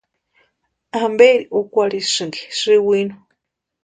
¿Amperi úkwarhisïnki sïwinu?